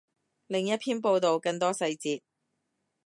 另一篇报道，更多细节